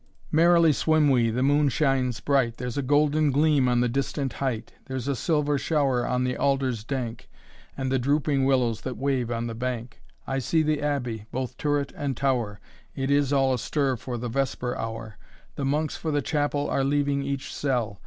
II. Merrily swim we, the moon shines bright, There's a golden gleam on the distant height; There's a silver shower on the alders dank. And the drooping willows that wave on the bank. I see the abbey, both turret and tower, It is all astir for the vesper hour; The monks for the chapel are leaving each cell.